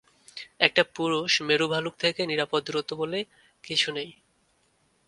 একটা পুরুষ মেরু ভালুক থেকে নিরাপদ দূরত্ব বলে কিছু নেই।